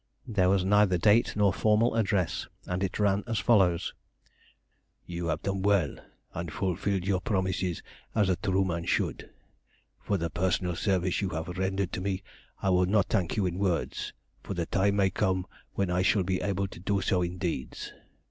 There was neither date nor formal address, and it ran as follows: You have done well, and fulfilled your promises as a true man should. For the personal service that you have rendered to me I will not thank you in words, for the time may come when I shall be able to do so in deeds.